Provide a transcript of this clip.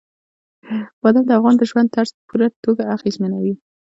بادام د افغانانو د ژوند طرز په پوره توګه اغېزمنوي.